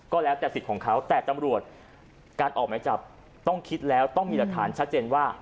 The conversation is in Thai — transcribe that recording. ก็แล้วแต่สิทธิ์ของเขาแต่ตำรวจการออกหมายจับต้องคิดแล้วต้องมีหลักฐานชัดเจนว่า